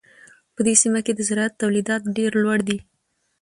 په دې سیمه کې د زراعت تولیدات ډېر لوړ دي.